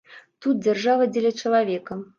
Тут дзяржава дзеля чалавека.